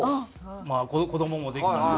まあ子どももできた。